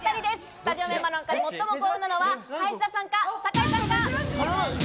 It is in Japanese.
スタジオメンバーの中で最も幸運なのは林田さんか、酒井さんか？